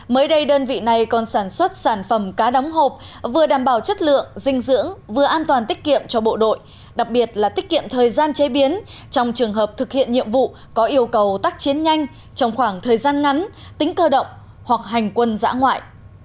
mới đây đơn vị này còn sản xuất sản phẩm cá đóng hộp vừa đảm bảo chất lượng dinh dưỡng vừa an toàn tiết kiệm cho bộ đội đặc biệt là tiết kiệm thời gian chế biến trong trường hợp thực hiện nhiệm vụ có yêu cầu tác chiến nhanh trong khoảng thời gian ngắn tính cơ động hoặc hành quân giã ngoại